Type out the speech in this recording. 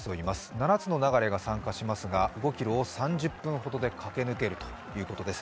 ７つの流が参加しますが、５ｋｍを３０分ほどで駆け抜けるそうです。